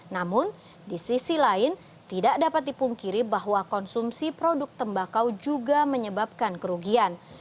namun di sisi lain tidak dapat dipungkiri bahwa konsumsi produk tembakau juga menyebabkan kerugian